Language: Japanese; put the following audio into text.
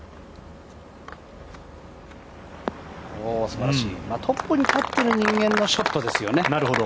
すばらしい、トップに立っている人間のショットですよね。